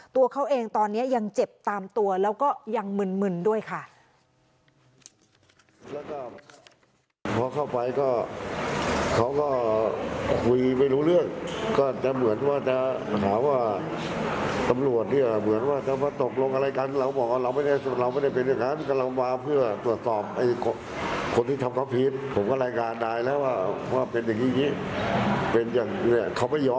ตัวเขาเองตอนนี้ยังเจ็บตามตัวแล้วก็ยังมึนด้วยค่ะ